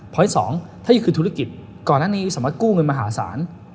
เพราะที่สองถ้าอยู่คือธุรกิจก่อนหน้านี้อยู่สมมติกู้เงินมหาศาล